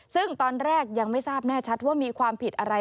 ซึ่งตอนแรกยังไม่ทราบแน่ชัดว่ามีความผิดอะไร